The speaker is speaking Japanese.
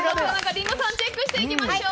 リンゴさんチェックしていきましょう。